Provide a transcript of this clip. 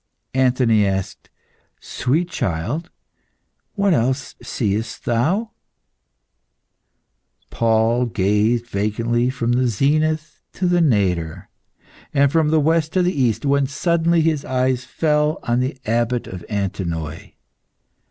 '" Anthony asked "Sweet child, what else seest thou?" Paul gazed vacantly from the zenith to the nadir, and from west to east, when suddenly his eyes fell on the Abbot of Antinoe.